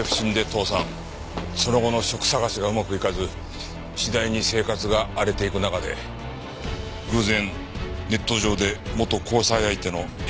その後の職探しがうまくいかず次第に生活が荒れていく中で偶然ネット上で元交際相手のＳＮＳを見つけた。